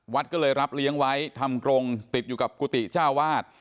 วัดก็เลยรับเลี้ยงไว้ทำกรงติดอยู่กับกุฏิเจ้าวาด